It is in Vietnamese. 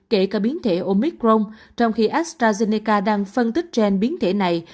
kể cả biến thể omicron trong khi astrazeneca đang phân tích trên biến thể này